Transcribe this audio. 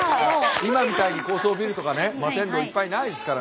今みたいに高層ビルとかね摩天楼いっぱいないですから。